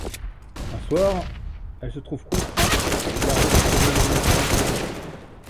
Un soir, elle se trouve contrainte de garder son jeune demi-frère Toby.